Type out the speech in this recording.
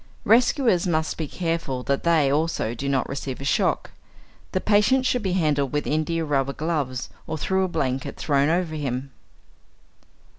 Rescuers must be careful that they, also, do not receive a shock. The patient should be handled with india rubber gloves or through a blanket thrown over him.